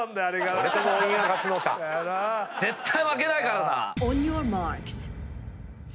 絶対負けないからな。